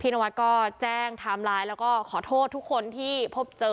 นวัดก็แจ้งไทม์ไลน์แล้วก็ขอโทษทุกคนที่พบเจอ